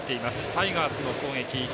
タイガースの攻撃。